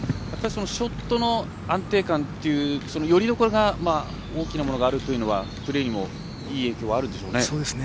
ショットの安定感というよりどころが大きなものがあるというのはプレーにもいい影響はあるんでしょうね。